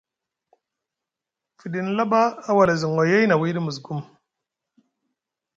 Fiɗini laɓa a wala zi ŋoyay na wiiɗi musgum.